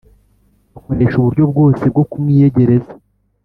agakoresha uburyo bwose bwo kumwiyegereza